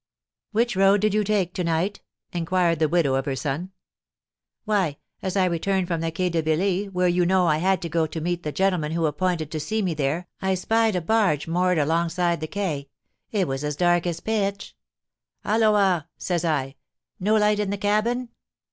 "Which road did you take to night?" inquired the widow of her son. "Why, as I returned from the Quai de Billy, where, you know, I had to go to meet the gentleman who appointed to see me there, I spied a barge moored alongside the quay; it was as dark as pitch. 'Halloa!' says I, 'no light in the cabin?